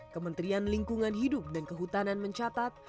kementerian lingkungan hidup dan kehutanan mencatat